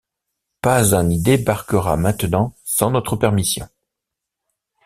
Pas un n’y débarquera maintenant sans notre permission!